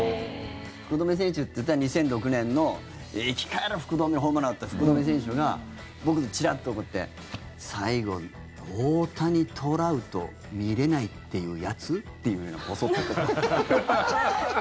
福留選手っていったら２００６年の生き返れ福留ホームラン打った福留選手が僕のほうチラッと見て最後、大谷・トラウト見れないっていうやつ？ってボソッと言ったんです。